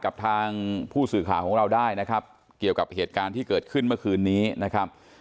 กับทางผู้สื่อข่าวของเราได้นะครับเกี่ยวกับเหตุการณ์ที่เกิดขึ้นเมื่อคืนนี้นะครับ